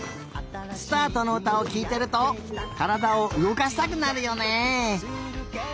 「すたあと」のうたをきいてるとからだをうごかしたくなるよね。